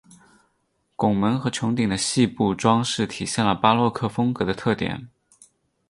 拱门和穹顶的细部装饰体现了巴洛克风格的特点。